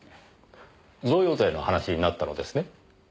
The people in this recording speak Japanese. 贈与税の話になったのですね？